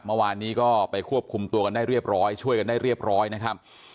เมื่อวานนี้ก็ไปควบคุมตัวกันได้เรียบร้อยช่วยกันได้เรียบร้อยนะครับ